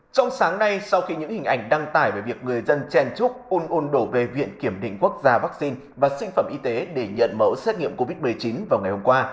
trong sáng nay sau khi những hình ảnh đăng tải về việc người dân chen chúc ôn ôn đổ về viện kiểm định quốc gia vắc xin và sinh phẩm y tế để nhận mẫu xét nghiệm covid một mươi chín vào ngày hôm qua